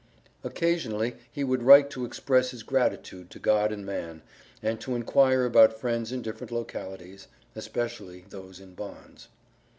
Occasionally he would write to express his gratitude to God and man, and to inquire about friends in different localities, especially those in bonds.